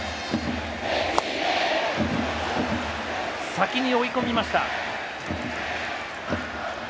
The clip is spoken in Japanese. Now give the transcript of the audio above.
先に追い込みました。